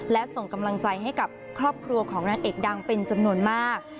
และส่งกำลังใจให้กับครอบครัวของนางเอกดังเป็นจำนวนมาก